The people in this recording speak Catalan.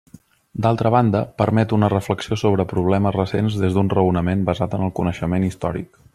D'altra banda, permet una reflexió sobre problemes recents des d'un raonament basat en el coneixement històric.